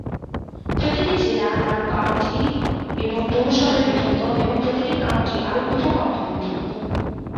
প্রতিটি জেলা আরও কাউন্টি এবং পৌরসভায় বিভক্ত, এবং প্রতিটি কাউন্টি আরও উপ-কাউন্টিতে বিভক্ত।